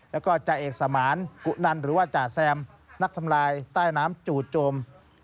แล้วก็จ่าเอกสมานกุนันหรือว่าจ่าแซมนักทำลายใต้น้ำจู่โจม